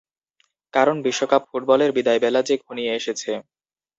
কারণ বিশ্বকাপ ফুটবলের বিদায়বেলা যে ঘনিয়ে এসেছে।